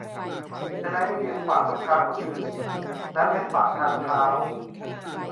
จะได้ไม่ยืนขวางลูกค้าคนอื่นและไม่ขวางทางเท้า